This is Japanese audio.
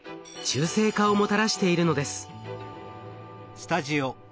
中性化をもたらしているのです。